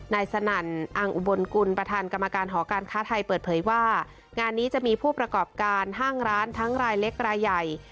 สนั่นอังอุบลกุลประธานกรรมการหอการค้าไทยเปิดเผยว่างานนี้จะมีผู้ประกอบการห้างร้านทั้งรายเล็กรายใหญ่